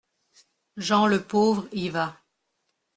Jean le Pauvre y va.